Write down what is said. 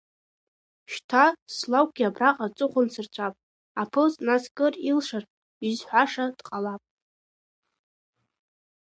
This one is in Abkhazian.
Шьҭа слакәгьы абраҟа аҵыхәа нсырҵәап, Аԥылҵ нас кыр илшар, изҳәаша дҟалап.